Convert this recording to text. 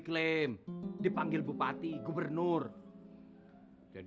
cari uang itu susah